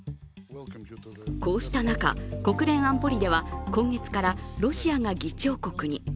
こうした中、国連安保理では今月からロシアが議長国に。